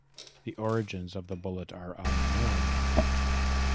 The origins of the bullet are unknown.